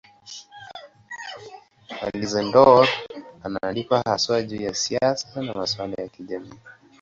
Alcindor anaandikwa haswa juu ya siasa na masuala ya kijamii.